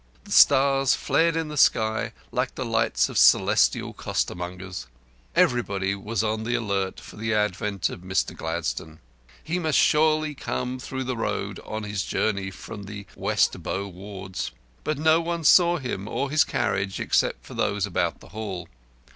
The stars flared in the sky like the lights of celestial costermongers. Everybody was on the alert for the advent of Mr. Gladstone. He must surely come through the Road on his journey from the West Bow wards. But nobody saw him or his carriage, except those about the Hall.